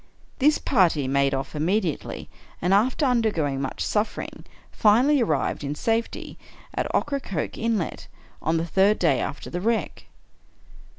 This party made off immediately, and, after undergoing much suffering, finally arrived, in safety, at Ocracoke Inlet, on the third day after the wreck.